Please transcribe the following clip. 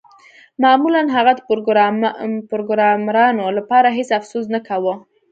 معمولاً هغه د پروګرامرانو لپاره هیڅ افسوس نه کاوه